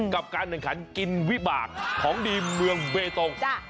กับการแข่งขันกินวิบากของดีเมืองเบตง